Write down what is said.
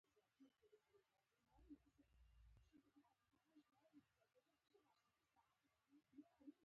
ښایست د وفادار ملګري یاد دی